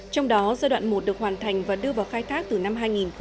trong đó giai đoạn một được hoàn thành và đưa vào khai thác từ năm hai nghìn một mươi một